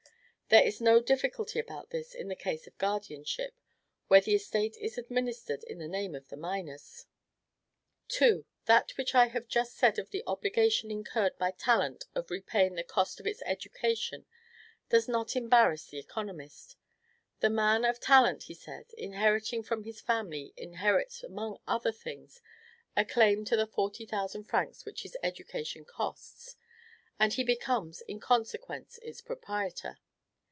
There is no difficulty about this in the case of guardianship, when the estate is administered in the name of the minors. 2. That which I have just said of the obligation incurred by talent of repaying the cost of its education does not embarrass the economist. The man of talent, he says, inheriting from his family, inherits among other things a claim to the forty thousand francs which his education costs; and he becomes, in consequence, its proprietor.